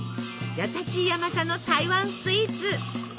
優しい甘さの台湾スイーツ。